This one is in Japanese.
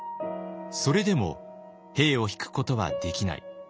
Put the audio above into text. それでも兵を引くことはできない。